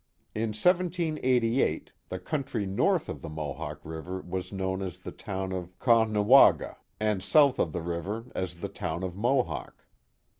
In 1788 the country north of the Mohawk River was known as the town of Caughnawaga, and south of the river as the town of Mohawk.